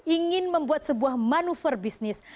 ingin membuat sebuah manuver bisnis